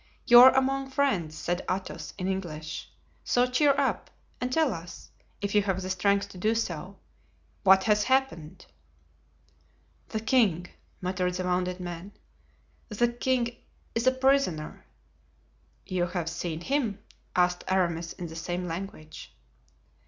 "You are among friends," said Athos, in English; "so cheer up, and tell us, if you have the strength to do so, what has happened?" "The king," muttered the wounded man, "the king is a prisoner." "You have seen him?" asked Aramis, in the same language.